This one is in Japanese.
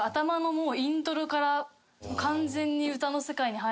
「もう？」